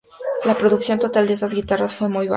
La producción total de estas guitarras fue muy baja.